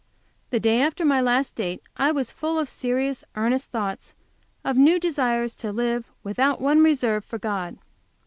The day after my last date I was full of serious, earnest thoughts, of new desires to live, without one reserve, for God.